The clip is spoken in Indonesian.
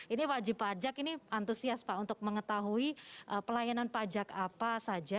ini wajib pajak ini antusias pak untuk mengetahui pelayanan pajak apa saja